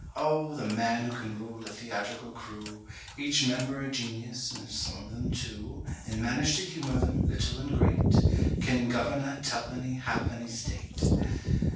Oh, the man who can rule a theatrical crew, Each member a genius (and some of them two), And manage to humour them, little and great, Can govern a tuppenny ha'penny State!